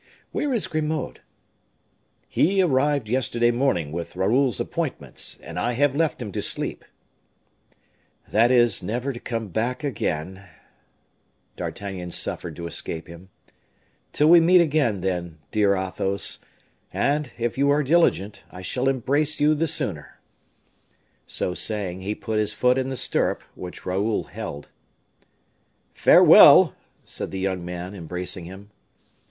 "Where is Grimaud?" "He arrived yesterday morning with Raoul's appointments; and I have left him to sleep." "That is, never to come back again," D'Artagnan suffered to escape him. "Till we meet again, then, dear Athos and if you are diligent, I shall embrace you the sooner." So saying, he put his foot in the stirrup, which Raoul held. "Farewell!" said the young man, embracing him.